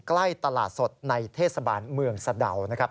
ใกล้ตลาดสดในเทศบาลเมืองสะดาวนะครับ